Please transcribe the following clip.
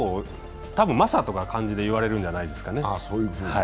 たぶん、「マサ」とか言われるんじゃないですかね。